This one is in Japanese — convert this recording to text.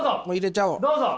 もう入れちゃおう。